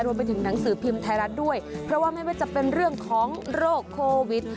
รวมไปถึงหนังสือพิมพ์ไทยรัฐด้วยเพราะว่าไม่ว่าจะเป็นเรื่องของโรคโควิด